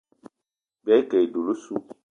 Bìayî ke e dula ossu.